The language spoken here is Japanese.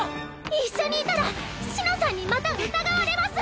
一緒にいたら紫乃さんにまた疑われます！